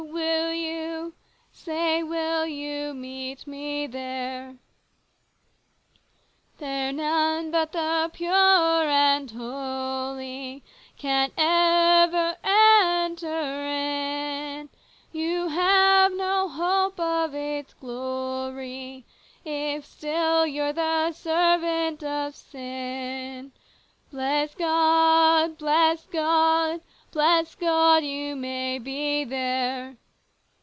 will you ? Say, will you meet me there ?" There none but the pure and the holy Can ever enter in ; You have no hope of its glory If still you're the servant of sin. Bless God ! bless God ! Bless God, you may be there